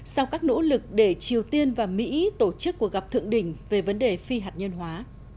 sau các nỗ lực để triều tiên và mỹ tổ chức cuộc gặp thượng đỉnh về vấn đề phi hạt nhân hóa